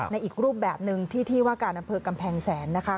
ในอีกรูปแบบนึงที่ที่วะกะนำเพิกกำแพงแสนนะคะ